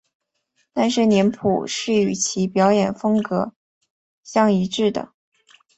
但是脸谱是与其表演风格相一致的。